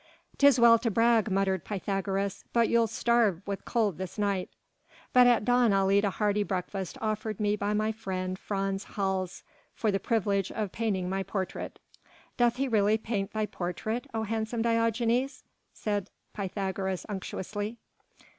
"'Tis well to brag," muttered Pythagoras, "but you'll starve with cold this night." "But at dawn I'll eat a hearty breakfast offered me by my friend Frans Hals for the privilege of painting my portrait." "Doth he really paint thy portrait, O handsome Diogenes?" said Pythagoras unctuously.